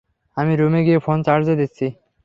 আমি রুমে গিয়ে ফোন চার্জে দিচ্ছি।